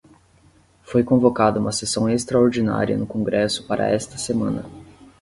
Foi convocada uma sessão extraordinária no congresso para esta semana